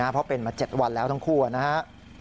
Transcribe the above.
เพราะเป็นมา๗วันแล้วทั้งคู่นะครับ